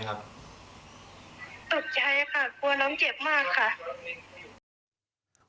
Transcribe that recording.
ตกใจค่ะกลัวน้องเจ็บมากค่ะ